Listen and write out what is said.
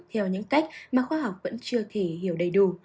theo những cách mà khoa học vẫn chưa thể hiểu đầy đủ